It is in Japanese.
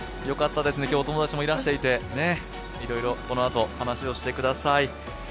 よかったですね、今日、お友達もいらしていて、いろいろこのあと話をしてください。